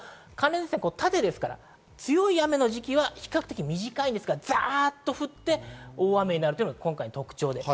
寒冷前線は縦ですから、強い雨の時期は比較的短いですが、ざっと降って大雨になるのが特徴です。